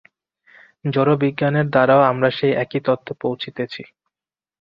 জড়বিজ্ঞানের দ্বারাও আমরা সেই একই তত্ত্বে পৌঁছিতেছি।